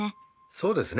そうですね。